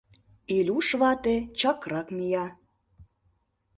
Илюш вате чакрак мия.